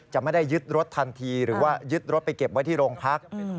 ไม่ได้ยึดรถทันทีหรือว่ายึดรถไปเก็บไว้ที่โรงพัก